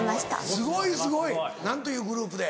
すごいすごい！何というグループで？